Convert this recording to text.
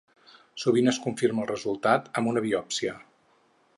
Sovint es confirma el resultat amb una biòpsia.